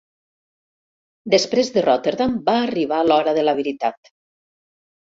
Després de Rotterdam va arribar l'hora de la veritat.